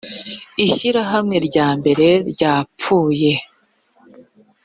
ishyirahamwe ryambere ryapfuye